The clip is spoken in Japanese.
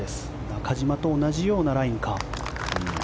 中島と同じようなラインか。